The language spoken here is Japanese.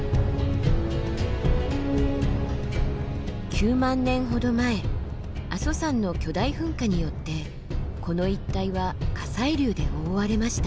９万年ほど前阿蘇山の巨大噴火によってこの一帯は火砕流で覆われました。